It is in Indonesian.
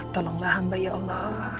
tolonglah hamba ya allah